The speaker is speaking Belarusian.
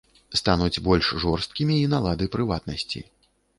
Стануць больш жорсткімі і налады прыватнасці.